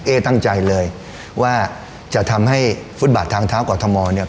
ตั้งใจเลยว่าจะทำให้ฟุตบาททางเท้ากอทมเนี่ย